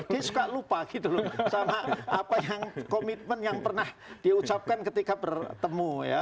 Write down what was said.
dia suka lupa gitu loh sama apa yang komitmen yang pernah diucapkan ketika bertemu ya